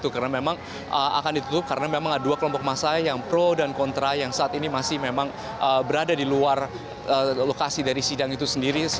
karena memang akan ditutup karena memang ada dua kelompok masa yang pro dan kontra yang saat ini masih memang berada di luar lokasi dari sidang itu sendiri